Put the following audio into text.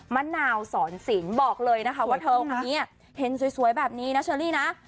มะนาวสอนสินบอกเลยนะคะว่าเธอคนนี้เห็นสวยแบบนี้นะเชอรี่นะ